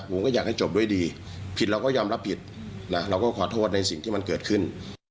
ผมก็อยากให้จบด้วยดีผิดเราก็ยอมรับผิดนะเราก็ขอโทษในสิ่งที่มันเกิดขึ้น